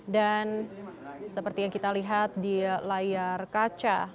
dan seperti yang kita lihat di layar kaca